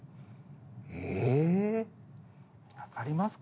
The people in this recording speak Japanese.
⁉分かりますか？